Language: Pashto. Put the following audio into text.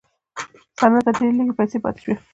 صنعت ته ډېرې لږې پیسې پاتې شوې.